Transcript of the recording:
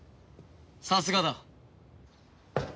さすがだ。